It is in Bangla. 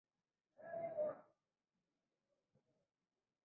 ব্যাট হাতে কিছু রান সংগ্রহ করলেও তা নিম্নের সারির ব্যাটসম্যান হিসেবে পরিচিতি পেয়েছিল।